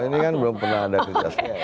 ini kan belum pernah ada aktivitasnya